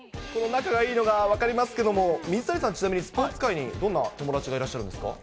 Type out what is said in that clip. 仲がいいのが分かりますけれども、水谷さん、ちなみにスポーツ界にどんな友達がいらっしゃるんですか？